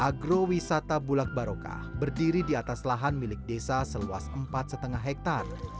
agrowisata bulak barokah berdiri di atas lahan milik desa seluas empat lima hektare